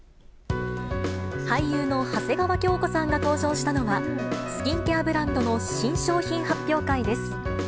俳優の長谷川京子さんが登場したのは、スキンケアブランドの新商品発表会です。